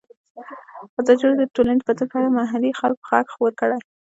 ازادي راډیو د ټولنیز بدلون په اړه د محلي خلکو غږ خپور کړی.